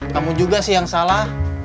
kamu juga sih yang salah